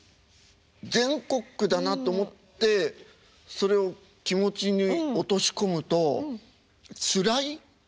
全国区だなと思ってそれを気持ちに落とし込むとつらい？